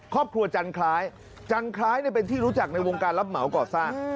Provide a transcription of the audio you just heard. จันคล้ายจันคล้ายเป็นที่รู้จักในวงการรับเหมาก่อสร้าง